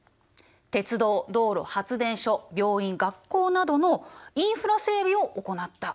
鉄道道路発電所病院学校などのインフラ整備を行った。